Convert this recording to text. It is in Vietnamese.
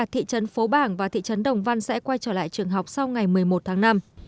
thị trấn phố bảng và thị trấn đồng văn sẽ quay trở lại trường học sau ngày một mươi một tháng năm